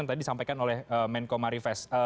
yang tadi disampaikan oleh menko marifest